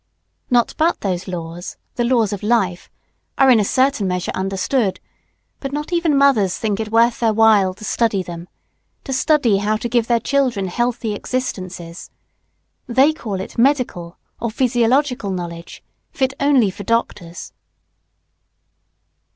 Not but that these laws the laws of life are in a certain measure understood, but not even mothers think it worth their while to study them to study how to give their children healthy existences. They call it medical or physiological knowledge, fit only for doctors.